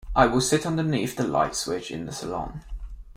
I will sit underneath the light switch in the salon.